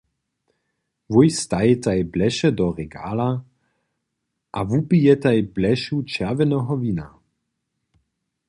Wój stajitaj bleše do regala a wupijetaj blešu čerwjeneho wina.